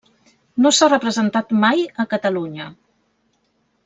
No s'ha representat mai a Catalunya.